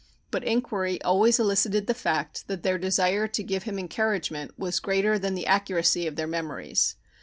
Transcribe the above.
But inquiry always elicited the fact that their desire to give him encouragement was greater than the accuracy of their memories.